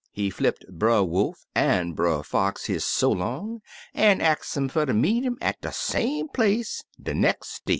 He flipped Brer Wolf an' Brer Fox his so long, an' ax nm fer ter meet 'im at de same place de nex' day.